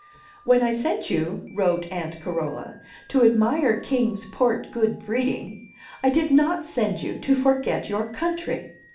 "When I sent you (wrote Aunt Carola) to admire Kings Port good breeding, I did not send you to forget your country.